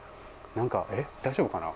何か大丈夫かな？